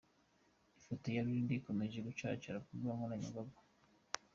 Ifoto ya Rurinda ikomeje gucaracara ku mbuga nkoranya mbaga.